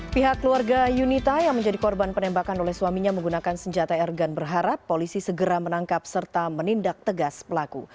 pihak keluarga yunita yang menjadi korban penembakan oleh suaminya menggunakan senjata airgun berharap polisi segera menangkap serta menindak tegas pelaku